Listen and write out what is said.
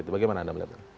bagaimana anda melihatnya